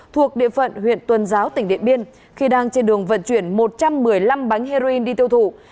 thuộc địa phận huyện tuần giáo tỉnh điện biên khi đang trên đường vận chuyển một trăm một mươi năm bánh heroin đi tiêu thụ